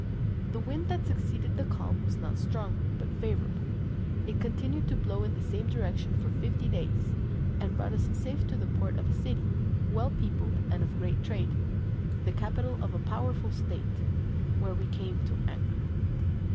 The wind that succeeded the calm was not strong, but favourable; it continued to blow in the same direction for fifty days, and brought us safe to the port of a city, well peopled, and of great trade, the capital of a powerful state, where we came to anchor.